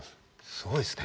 すごいですね